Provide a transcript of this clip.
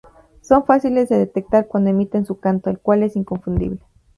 Son fáciles de detectar cuando emiten su canto, el cual es inconfundible.